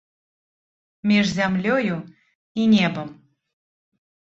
Між зямлёю і небам.